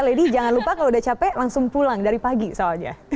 lady jangan lupa kalau udah capek langsung pulang dari pagi soalnya